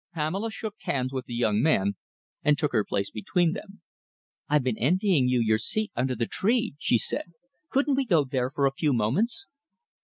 Pamela shook hands with the young man and took her place between them. "I've been envying you your seat under the tree," she said. "Couldn't we go there for a few moments?"